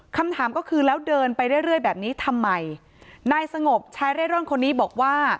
คำถามก็คือแล้วเดินไปเรื่อยเรื่อยแบบนี้ทำไมนายสงบชายเร่ร่อนคนนี้บอกว่า